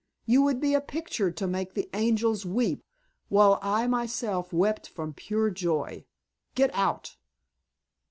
You would be a picture to make the angels weep, while I myself wept from pure joy. Get out."